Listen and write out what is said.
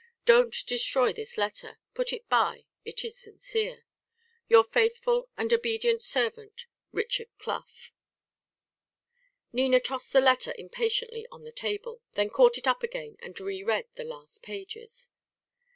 Don't destroy this letter. Put it by. It is sincere. "Your faithful and obd't servant, "RICHARD CLOUGH." Nina tossed the letter impatiently on the table, then caught it up again and re read the last pages.